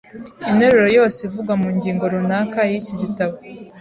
interuro yose ivugwa mu ngingo runaka y’iki gitabo.